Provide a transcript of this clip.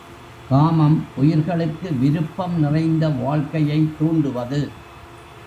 காமம் உயிர்களுக்கு விருப்பம் நிறைந்த வாழ்க்கையைத் தூண்டுவது.